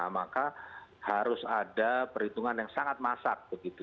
maka harus ada perhitungan yang sangat masak begitu